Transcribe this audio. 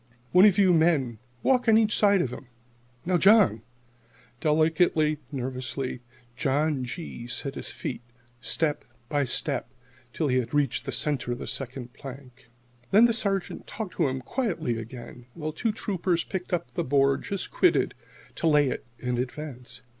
"One of you men walk on each side of him. Now, John!" Delicately, nervously, John G. set his feet, step by step, till he had reached the centre of the second plank. Then the Sergeant talked to him quietly again, while two Troopers picked up the board just quitted to lay it in advance.